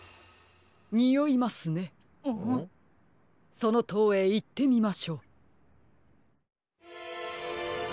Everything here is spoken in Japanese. そのとうへいってみましょう。